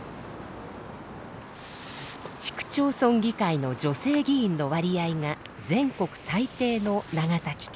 市区町村議会の女性議員の割合が全国最低の長崎県。